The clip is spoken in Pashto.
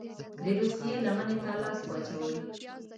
روسيې لمني ته لاس واچوي.